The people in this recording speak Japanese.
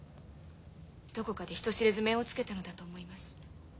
どこかで人知れず面を付けたのだと思います。